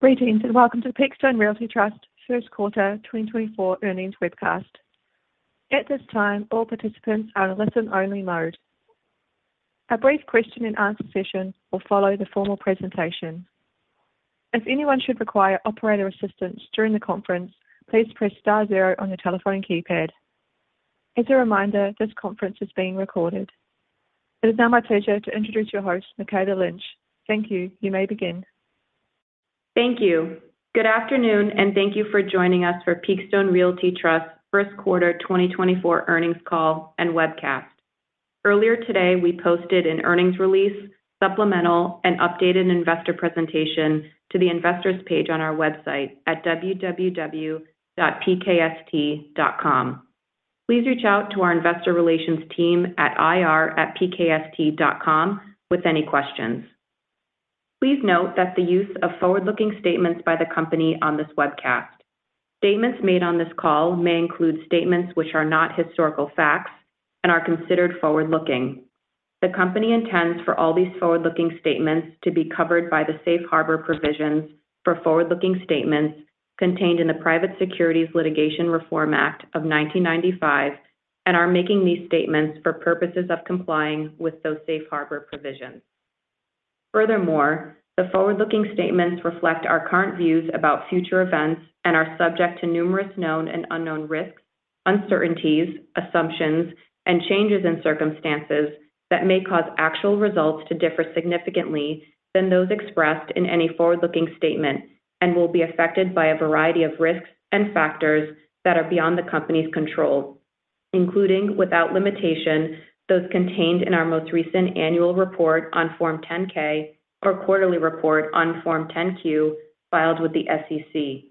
Greetings, and welcome to the Peakstone Realty Trust First Quarter 2024 Earnings Webcast. At this time, all participants are in listen-only mode. A brief question and answer session will follow the formal presentation. If anyone should require operator assistance during the conference, please press star zero on your telephone keypad. As a reminder, this conference is being recorded. It is now my pleasure to introduce your host, Mikayla Lynch. Thank you. You may begin. Thank you. Good afternoon, and thank you for joining us for Peakstone Realty Trust First Quarter 2024 earnings call and webcast. Earlier today, we posted an earnings release, supplemental, and updated investor presentation to the investors page on our website at www.pkst.com. Please reach out to our investor relations team at ir@pkst.com with any questions. Please note that the use of forward-looking statements by the company on this webcast. Statements made on this call may include statements which are not historical facts and are considered forward-looking. The company intends for all these forward-looking statements to be covered by the safe harbor provisions for forward-looking statements contained in the Private Securities Litigation Reform Act of 1995, and are making these statements for purposes of complying with those safe harbor provisions. Furthermore, the forward-looking statements reflect our current views about future events and are subject to numerous known and unknown risks, uncertainties, assumptions, and changes in circumstances that may cause actual results to differ significantly than those expressed in any forward-looking statement, and will be affected by a variety of risks and factors that are beyond the company's control, including, without limitation, those contained in our most recent annual report on Form 10-K or quarterly report on Form 10-Q filed with the SEC.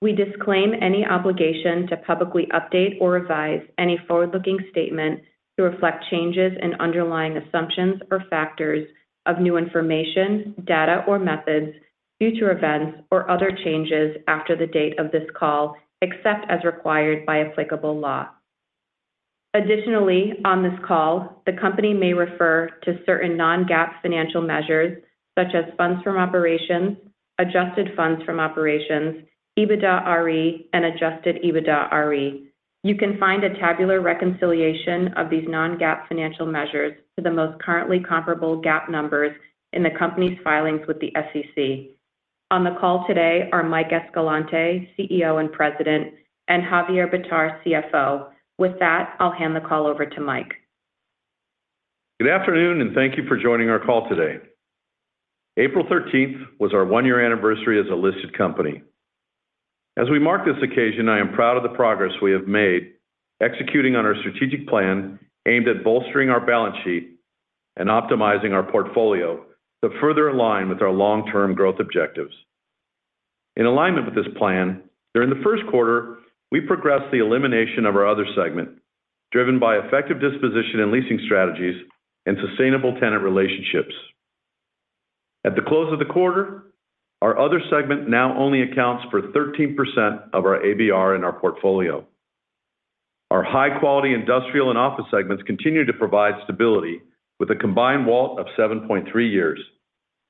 We disclaim any obligation to publicly update or revise any forward-looking statement to reflect changes in underlying assumptions or factors of new information, data or methods, future events, or other changes after the date of this call, except as required by applicable law. Additionally, on this call, the company may refer to certain non-GAAP financial measures, such as funds from operations, adjusted funds from operations, EBITDAre, and adjusted EBITDAre. You can find a tabular reconciliation of these non-GAAP financial measures to the most currently comparable GAAP numbers in the company's filings with the SEC. On the call today are Mike Escalante, CEO and President, and Javier Bitar, CFO. With that, I'll hand the call over to Mike. Good afternoon, and thank you for joining our call today. April 13 was our 1-year anniversary as a listed company. As we mark this occasion, I am proud of the progress we have made, executing on our strategic plan aimed at bolstering our balance sheet and optimizing our portfolio to further align with our long-term growth objectives. In alignment with this plan, during the first quarter, we progressed the elimination of our other segment, driven by effective disposition and leasing strategies and sustainable tenant relationships. At the close of the quarter, our other segment now only accounts for 13% of our ABR in our portfolio. Our high-quality industrial and office segments continue to provide stability with a combined WALT of 7.3 years.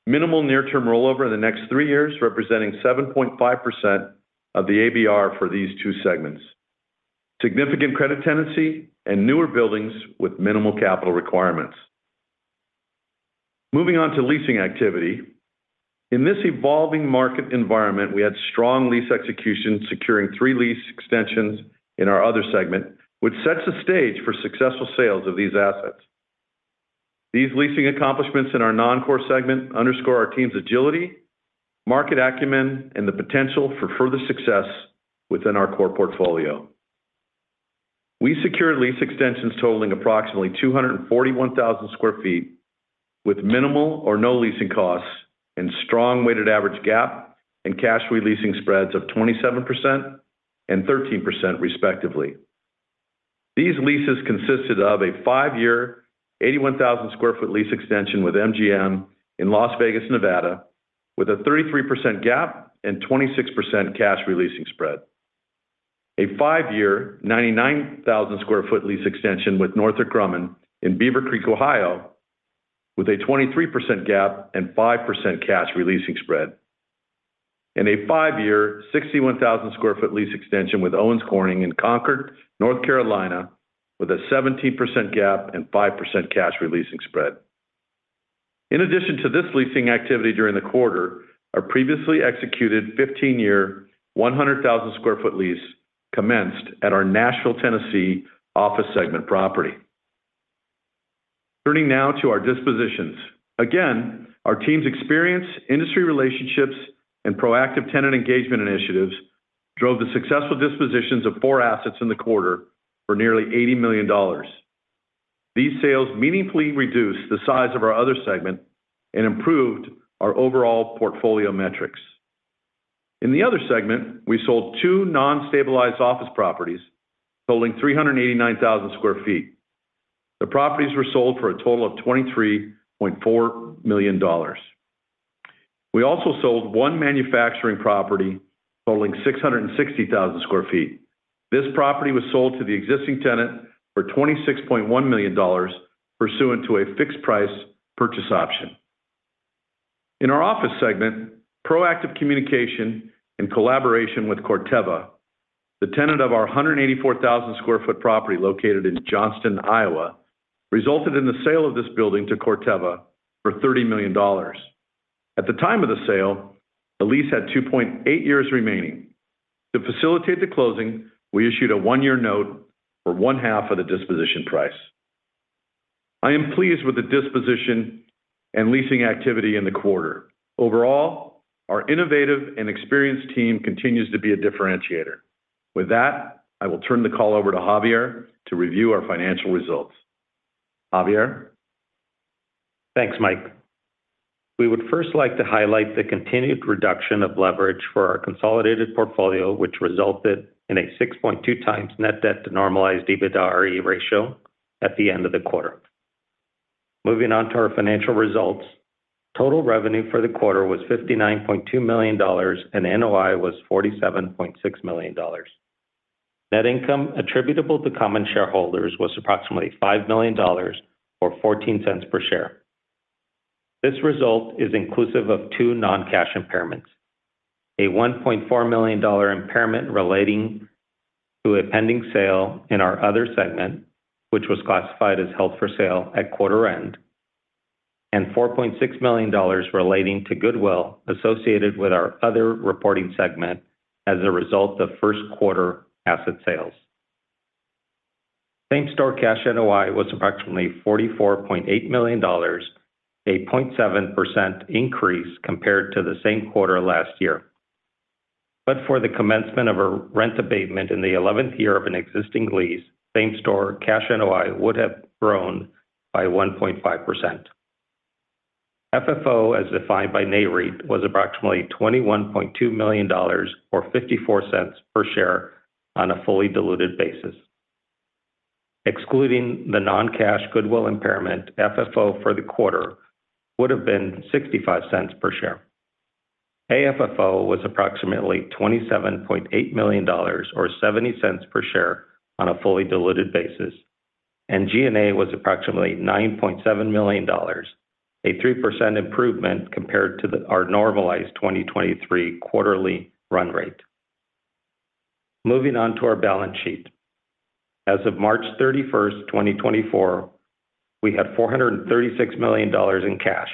Minimal near term rollover in the next 3 years, representing 7.5% of the ABR for these two segments. Significant credit tenancy and newer buildings with minimal capital requirements. Moving on to leasing activity. In this evolving market environment, we had strong lease execution, securing three lease extensions in our other segment, which sets the stage for successful sales of these assets. These leasing accomplishments in our non-core segment underscore our team's agility, market acumen, and the potential for further success within our core portfolio. We secured lease extensions totaling approximately 241,000 sq ft, with minimal or no leasing costs and strong weighted average GAAP and cash re-leasing spreads of 27% and 13%, respectively. These leases consisted of a 5-year, 81,000 sq ft lease extension with MGM in Las Vegas, Nevada, with a 33% GAAP and 26% cash re-leasing spread. A five-year, 99,000 sq ft lease extension with Northrop Grumman in Beavercreek, Ohio, with a 23% GAAP and 5% cash re-leasing spread. In a five-year, 61,000 sq ft lease extension with Owens Corning in Concord, North Carolina, with a 17% GAAP and 5% cash re-leasing spread. In addition to this leasing activity during the quarter, our previously executed fifteen-year, 100,000 sq ft lease commenced at our Nashville, Tennessee, office segment property. Turning now to our dispositions. Again, our team's experience, industry relationships, and proactive tenant engagement initiatives drove the successful dispositions of 4 assets in the quarter for nearly $80 million. These sales meaningfully reduced the size of our other segment and improved our overall portfolio metrics. In the other segment, we sold two non-stabilized office properties totaling 389,000 sq ft. The properties were sold for a total of $23.4 million. We also sold one manufacturing property totaling 660,000 sq ft.... This property was sold to the existing tenant for $26.1 million pursuant to a fixed price purchase option. In our office segment, proactive communication and collaboration with Corteva, the tenant of our 184,000 sq ft property located in Johnston, Iowa, resulted in the sale of this building to Corteva for $30 million. At the time of the sale, the lease had 2.8 years remaining. To facilitate the closing, we issued a 1-year note for one half of the disposition price. I am pleased with the disposition and leasing activity in the quarter. Overall, our innovative and experienced team continues to be a differentiator. With that, I will turn the call over to Javier to review our financial results. Javier? Thanks, Mike. We would first like to highlight the continued reduction of leverage for our consolidated portfolio, which resulted in a 6.2x net debt to normalized EBITDAre ratio at the end of the quarter. Moving on to our financial results. Total revenue for the quarter was $59.2 million, and NOI was $47.6 million. Net income attributable to common shareholders was approximately $5 million or $0.14 per share. This result is inclusive of two non-cash impairments: a $1.4 million impairment relating to a pending sale in our other segment, which was classified as held for sale at quarter end, and $4.6 million relating to goodwill associated with our other reporting segment as a result of first quarter asset sales. Same-store cash NOI was approximately $44.8 million, a 0.7% increase compared to the same quarter last year. But for the commencement of a rent abatement in the eleventh year of an existing lease, same-store cash NOI would have grown by 1.5%. FFO, as defined by Nareit, was approximately $21.2 million, or $0.54 per share on a fully diluted basis. Excluding the non-cash goodwill impairment, FFO for the quarter would have been $0.65 per share. AFFO was approximately $27.8 million or $0.70 per share on a fully diluted basis, and G&A was approximately $9.7 million, a 3% improvement compared to our normalized 2023 quarterly run rate. Moving on to our balance sheet. As of March 31, 2024, we had $436 million in cash,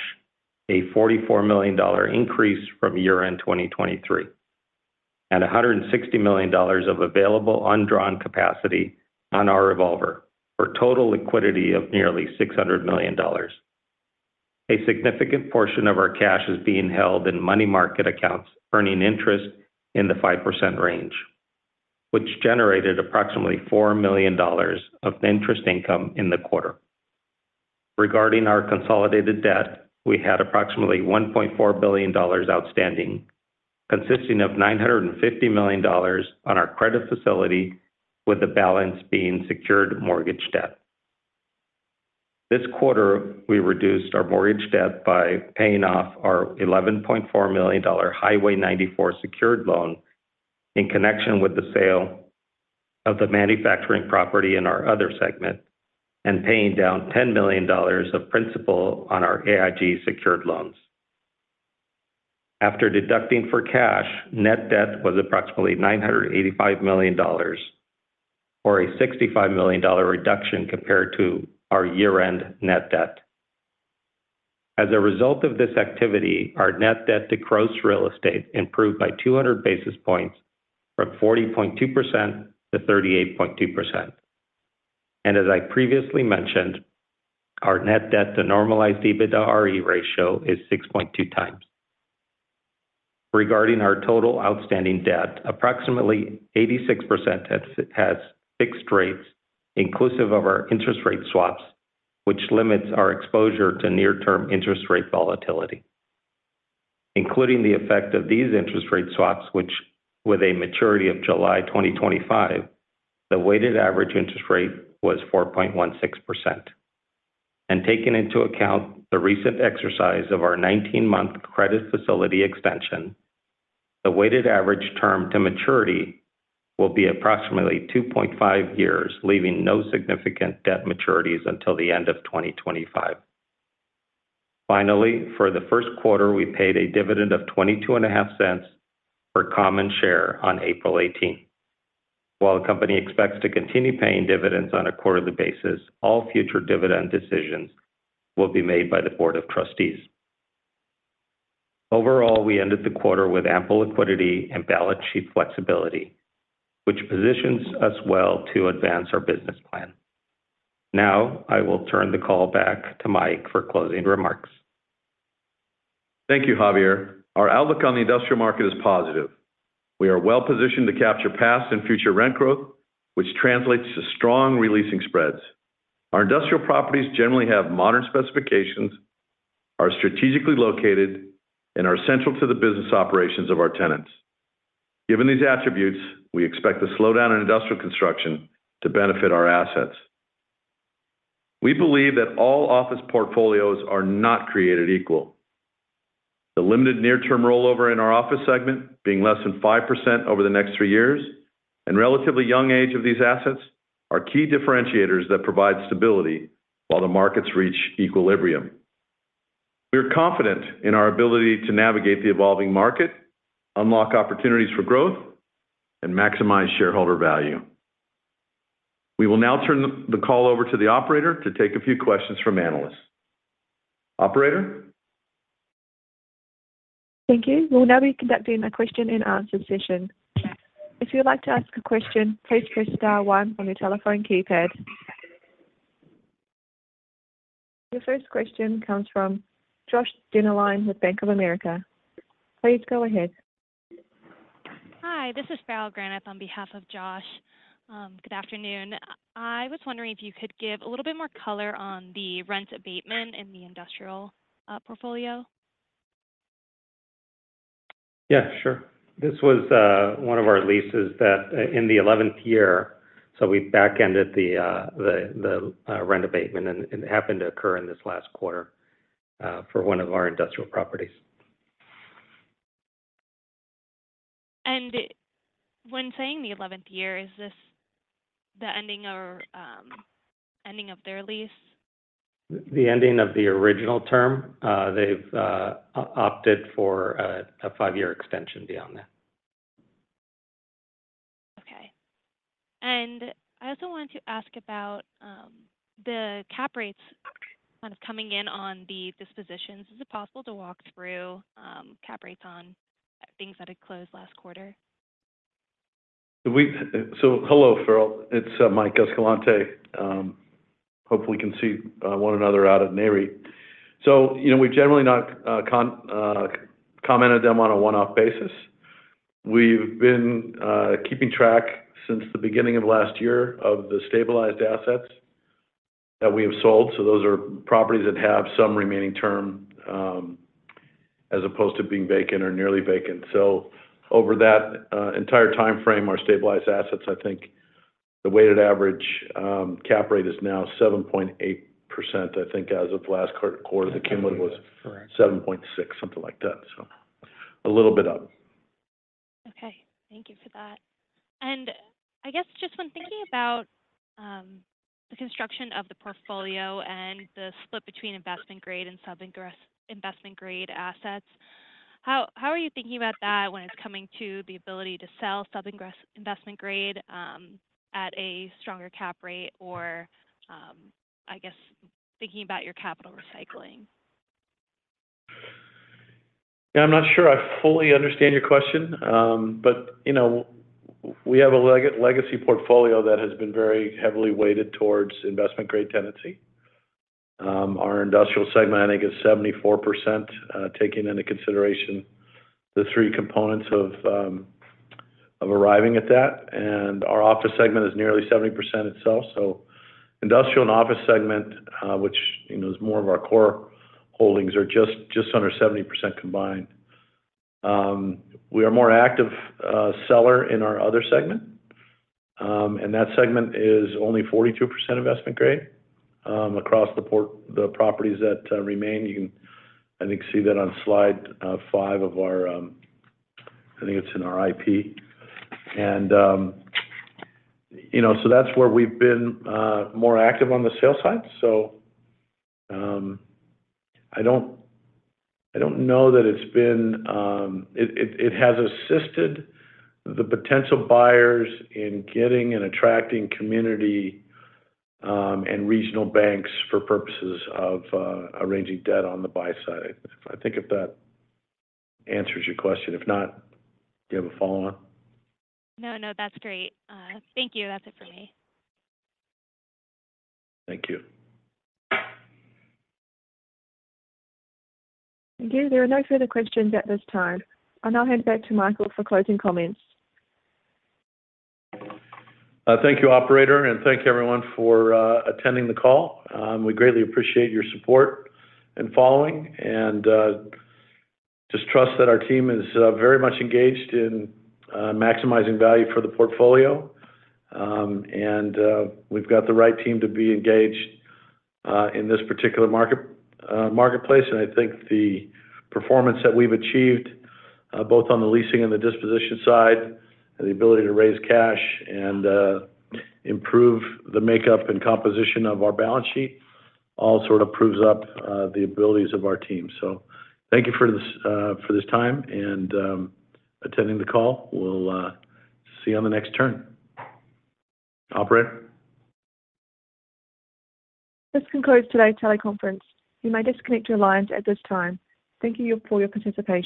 a $44 million increase from year-end 2023, and $160 million of available undrawn capacity on our revolver, for total liquidity of nearly $600 million. A significant portion of our cash is being held in money market accounts, earning interest in the 5% range, which generated approximately $4 million of interest income in the quarter. Regarding our consolidated debt, we had approximately $1.4 billion outstanding, consisting of $950 million on our credit facility, with the balance being secured mortgage debt. This quarter, we reduced our mortgage debt by paying off our $11.4 million Highway 94 secured loan in connection with the sale of the manufacturing property in our other segment and paying down $10 million of principal on our AIG secured loans. After deducting for cash, net debt was approximately $985 million, or a $65 million reduction compared to our year-end net debt. As a result of this activity, our net debt to gross real estate improved by 200 basis points, from 40.2% to 38.2%. And as I previously mentioned, our net debt to normalized EBITDAre ratio is 6.2 times. Regarding our total outstanding debt, approximately 86% has fixed rates inclusive of our interest rate swaps, which limits our exposure to near-term interest rate volatility. Including the effect of these interest rate swaps, which with a maturity of July 2025, the weighted average interest rate was 4.16%. Taking into account the recent exercise of our 19-month credit facility extension, the weighted average term to maturity will be approximately 2.5 years, leaving no significant debt maturities until the end of 2025. Finally, for the first quarter, we paid a dividend of $0.225 per common share on April 18. While the company expects to continue paying dividends on a quarterly basis, all future dividend decisions will be made by the Board of Trustees. Overall, we ended the quarter with ample liquidity and balance sheet flexibility, which positions us well to advance our business plan. Now, I will turn the call back to Mike for closing remarks. Thank you, Javier. Our outlook on the industrial market is positive. We are well positioned to capture past and future rent growth, which translates to strong releasing spreads. Our industrial properties generally have modern specifications, are strategically located, and are central to the business operations of our tenants. Given these attributes, we expect the slowdown in industrial construction to benefit our assets.... We believe that all office portfolios are not created equal. The limited near-term rollover in our office segment, being less than 5% over the next three years, and relatively young age of these assets are key differentiators that provide stability while the markets reach equilibrium. We're confident in our ability to navigate the evolving market, unlock opportunities for growth, and maximize shareholder value. We will now turn the call over to the operator to take a few questions from analysts. Operator? Thank you. We'll now be conducting a question and answer session. If you'd like to ask a question, please press star one on your telephone keypad. The first question comes from Josh Dennerlein with Bank of America. Please go ahead. Hi, this is Farrell Granath on behalf of Josh. Good afternoon. I was wondering if you could give a little bit more color on the rent abatement in the industrial portfolio? Yeah, sure. This was one of our leases that in the eleventh year, so we backended the rent abatement, and it happened to occur in this last quarter for one of our industrial properties. When saying the eleventh year, is this the ending or, ending of their lease? The ending of the original term. They've opted for a five-year extension beyond that. Okay. And I also wanted to ask about the cap rates kind of coming in on the dispositions. Is it possible to walk through cap rates on things that had closed last quarter? So hello, Farrell. It's Mike Escalante. Hopefully, we can see one another out at Nareit. So, you know, we've generally not commented on them on a one-off basis. We've been keeping track since the beginning of last year of the stabilized assets that we have sold, so those are properties that have some remaining term, as opposed to being vacant or nearly vacant. So over that entire timeframe, our stabilized assets, I think the weighted average cap rate is now 7.8%. I think as of last quarter, the number was- Correct. 7.6, something like that. So a little bit up. Okay, thank you for that. And I guess just when thinking about the construction of the portfolio and the split between investment grade and sub-investment grade assets, how are you thinking about that when it's coming to the ability to sell sub-investment grade at a stronger cap rate or, I guess thinking about your capital recycling? Yeah, I'm not sure I fully understand your question. But, you know, we have a legacy portfolio that has been very heavily weighted towards investment-grade tenancy. Our industrial segment, I think, is 74%, taking into consideration the three components of arriving at that, and our office segment is nearly 70% itself. So industrial and office segment, which, you know, is more of our core holdings, are just under 70% combined. We are a more active seller in our other segment, and that segment is only 42% investment grade, across the portfolio, the properties that remain. You can, I think, see that on slide 5 of our. I think it's in our IP. And, you know, so that's where we've been more active on the sales side. So, I don't know that it's been. It has assisted the potential buyers in getting and attracting community and regional banks for purposes of arranging debt on the buy side. I think if that answers your question. If not, do you have a follow on? No, no, that's great. Thank you. That's it for me. Thank you. Thank you. There are no further questions at this time. I'll now hand back to Michael for closing comments. Thank you, operator, and thank you, everyone, for attending the call. We greatly appreciate your support and following, and just trust that our team is very much engaged in maximizing value for the portfolio. And we've got the right team to be engaged in this particular market marketplace. And I think the performance that we've achieved both on the leasing and the disposition side, and the ability to raise cash and improve the makeup and composition of our balance sheet, all sort of proves up the abilities of our team. So thank you for this for this time and attending the call. We'll see you on the next turn. Operator? This concludes today's teleconference. You may disconnect your lines at this time. Thank you for your participation.